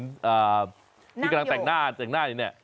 นั่งอยู่ที่กำลังแต่งหน้านี่นี่